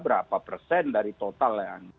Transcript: berapa persen dari total yang